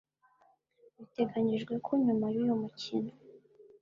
Biteganyijwe ko nyuma y’uyu mukino